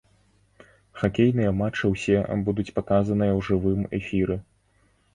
Хакейныя матчы ўсе будуць паказаныя ў жывым эфіры.